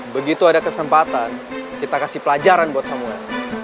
begitu ada kesempatan kita kasih pelajaran buat samuel